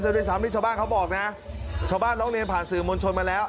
ด้วยซ้ำนี่ชาวบ้านเขาบอกนะชาวบ้านร้องเรียนผ่านสื่อมวลชนมาแล้ว